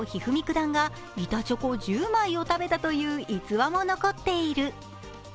段が板チョコ１０枚を食べたという逸話も残っている。